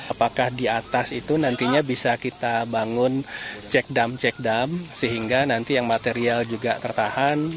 apakah di atas itu nantinya bisa kita bangun cek dump cek dump sehingga nanti yang material juga tertahan